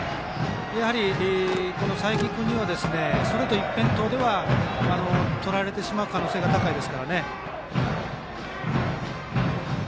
やはり、佐伯君にはストレート一辺倒ではとらえられてしまう可能性が高いですから。